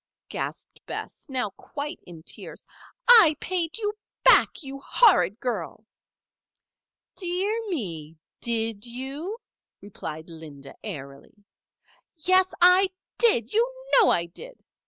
gasped Bess, now quite in tears. "I paid you back you horrid girl!" "Dear me! did you?" responded Linda, airily. "Yes, I did! You know I did!"